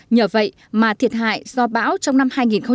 nhờ vậy mà thiệt hại do bão trong năm hai nghìn một mươi tám